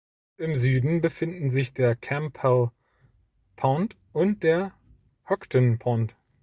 Im Süden befinden sich der "Campbell Pond" und der "Houghton Pond".